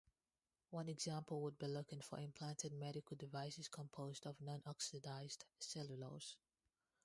One example would be looking for implanted medical devices composed of nonoxidized cellulose.